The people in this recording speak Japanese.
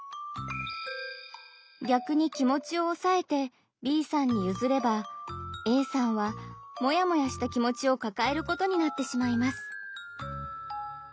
逆に気持ちをおさえてＢさんにゆずればＡさんはモヤモヤした気持ちをかかえることになってしまいます。